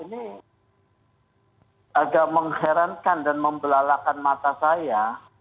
ini agak mengherankan dan membelalakan mata saya